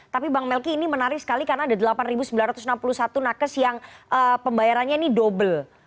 tapi bang melki ini menarik sekali karena ada delapan sembilan ratus enam puluh satu nakes yang pembayarannya ini double